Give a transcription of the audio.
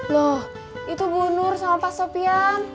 loh itu bu nur sama pak sofian